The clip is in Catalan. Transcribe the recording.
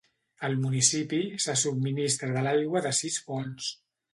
El municipi se subministra de l'aigua de sis fonts.